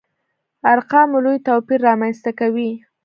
ارقامو لوی توپير رامنځته کوي.